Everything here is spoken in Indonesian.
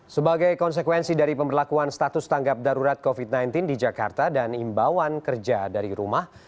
sebagai konsekuensi dari pemberlakuan status tanggap darurat covid sembilan belas di jakarta dan imbauan kerja dari rumah